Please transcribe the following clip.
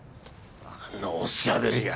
あのおしゃべりが！